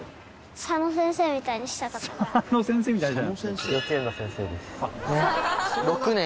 佐野先生みたいにしたいの？